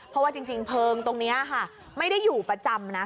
เพราะว่าจริงเพลิงตรงนี้ค่ะไม่ได้อยู่ประจำนะ